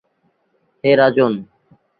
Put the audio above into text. হে রাজন!